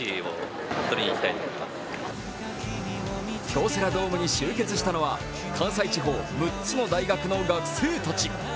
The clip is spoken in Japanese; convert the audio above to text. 京セラドームに集結したのは関西地方６つの大学の学生たち。